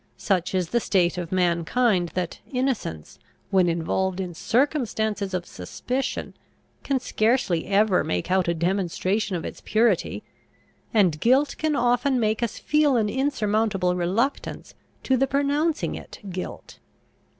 Such is the state of mankind, that innocence, when involved in circumstances of suspicion, can scarcely ever make out a demonstration of its purity; and guilt can often make us feel an insurmountable reluctance to the pronouncing it guilt.